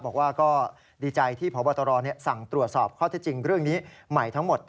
บอกว่าก็ดีใจที่พบตรสั่งตรวจสอบข้อเท็จจริงเรื่องนี้ใหม่ทั้งหมด